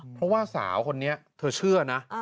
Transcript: เพราะว่าสาวคนนี้เธอเชื่อนะ